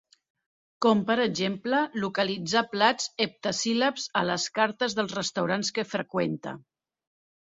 Com, per exemple, localitzar plats heptasíl·labs a les cartes dels restaurants que freqüenta.